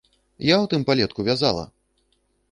Я ў тым палетку вязала!